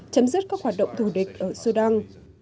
chấm dứt các hoạt động thù địch ở sudan